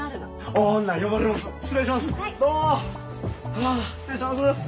はあ失礼します。